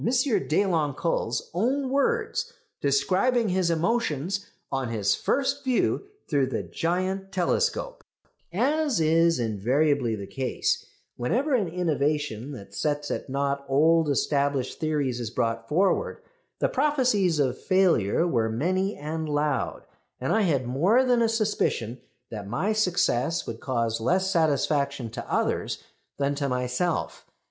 Deloncle's own words describing his emotions on his first view through the giant telescope: "As is invariably the case, whenever an innovation that sets at nought old established theories is brought forward, the prophecies of failure were many and loud, and I had more than a suspicion that my success would cause less satisfaction to others than to myself.